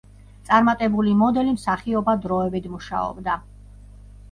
წარმატებული მოდელი მსახიობად დროებით მუშაობდა.